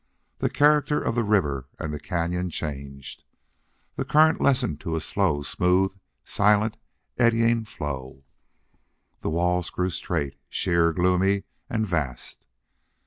The character of the river and the cañon changed. The current lessened to a slow, smooth, silent, eddying flow. The walls grew straight, sheer, gloomy, and vast.